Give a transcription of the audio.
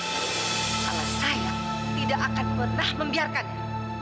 karena saya tidak akan pernah membiarkannya